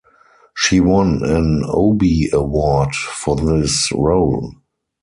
She won an Obie Award for this role.